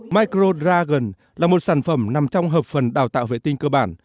micro dragon là một sản phẩm nằm trong hợp phần đào tạo vệ tinh cơ bản